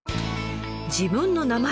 自分の名前。